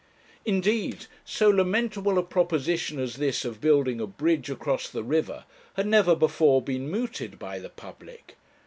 Indeed, so lamentable a proposition as this of building a bridge across the river had never before been mooted by the public.